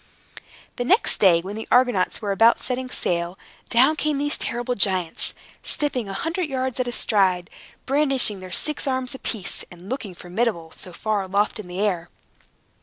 The next day, when the Argonauts were about setting sail, down came these terrible giants, stepping a hundred yards at a stride, brandishing their six arms apiece, and looking formidable, so far aloft in the air.